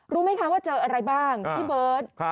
รู้ไหมคะว่าเจออะไรบ้างพี่เบิร์ต